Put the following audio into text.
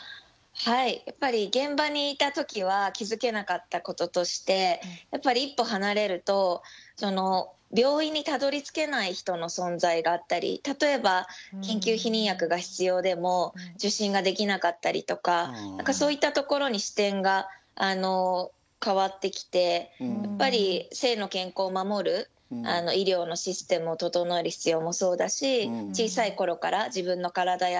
やっぱり現場にいた時は気付けなかったこととしてやっぱり一歩離れると病院にたどりつけない人の存在があったり例えば緊急避妊薬が必要でも受診ができなかったりとかそういったところに視点が変わってきてやっぱり性の健康を守る医療のシステムを整える必要もそうだし小さい頃から自分の体や相手の体のことを考える